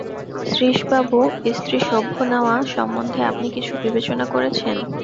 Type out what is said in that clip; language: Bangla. শ্রীশবাবু, স্ত্রী-সভ্য নেওয়া সম্বন্ধে আপনি কিছু বিবেচনা করেছেন?